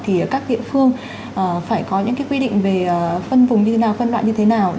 thì các địa phương phải có những cái quy định về phân vùng như thế nào phân loại như thế nào